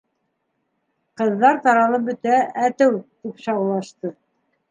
Ҡыҙҙар таралып бөтә әтү! - тип шаулашты.